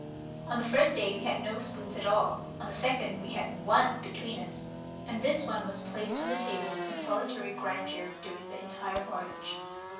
On the first day we had no spoons at all; on the second we had one between us, and this one was placed on the table in solitary grandeur during the entire voyage.